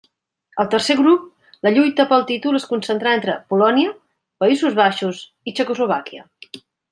Al tercer grup la lluita pel títol es concentrà entre Polònia, Països Baixos i Txecoslovàquia.